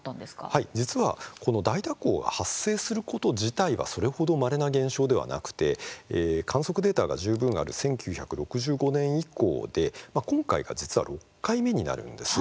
はい、実はこの大蛇行が発生すること自体はそれほど、まれな現象ではなくて観測データが十分ある１９６５年以降で今回が実は６回目になるんです。